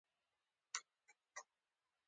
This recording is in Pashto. هره قاره بېلابېل هیوادونه لري.